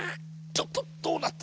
ちょっとどうなってんだ。